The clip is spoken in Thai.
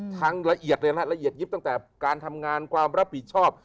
ละเอียดเลยนะละเอียดยิบตั้งแต่การทำงานความรับผิดชอบ